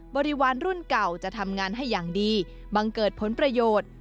บริวารรุ่นเก่าจะทำงานให้อย่างดีบังเกิดผลประโยชน์